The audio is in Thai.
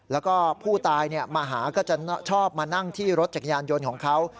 แล้วก็ผู้ตายมาหาก็จะชอบมานั่งที่รถจักรยานยนต์ของเขา